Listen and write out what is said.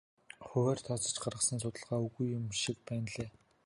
Хувиар тооцож гаргасан судалгаа үгүй юм шиг байна лээ.